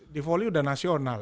di volley udah nasional